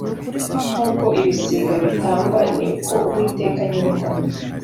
nk uko ibisiga bitamba ni ko uwiteka nyiringabo